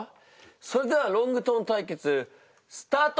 それではロングトーン対決スタート！